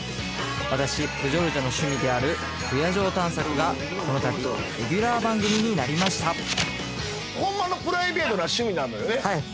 私プジョルジョの趣味である不夜城探索がこのたびレギュラー番組になりましたホンマのプライベートな趣味なのよね？